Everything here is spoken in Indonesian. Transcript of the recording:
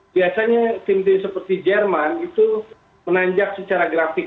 biasanya tim tim seperti jerman itu menanjak secara grafik